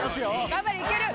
頑張れいける！